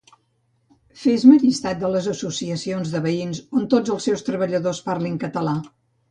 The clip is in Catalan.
Fes-me llistat de les associacions de veïns on tots els seus treballadors parlin català